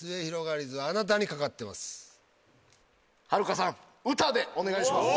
はるかさん「歌」でお願いします。